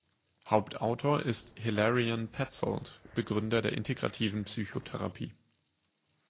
Hauptautor ist Hilarion Petzold, Begründer der Integrativen Psychotherapie.